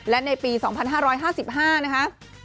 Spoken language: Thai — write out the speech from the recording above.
และในปี๒๕๕๕นะคะ